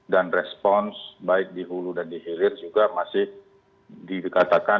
dan respons baik di hulu dan di hilir juga masih dikatakan